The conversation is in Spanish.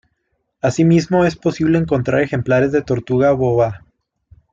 Asimismo es posible encontrar ejemplares de tortuga boba.